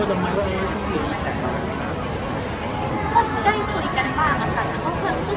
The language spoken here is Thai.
เราไม่ได้ทำแบบนี้แม่ดราราจะไม่โอเค